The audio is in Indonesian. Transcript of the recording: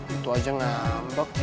itu aja ngambek